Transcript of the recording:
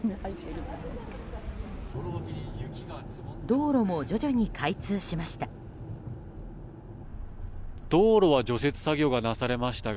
道路も徐々に開通しました。